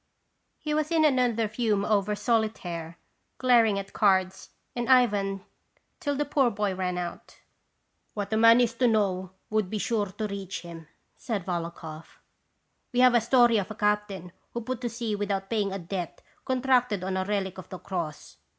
He was in another fume over solitaire, glar ing at cards and Ivan till the poor boy ran out. " What a man is to know would be sure to reach him," said Volokhoff. "We have a story of a captain who put to sea without pay ing a debt contracted on a relic of the cross.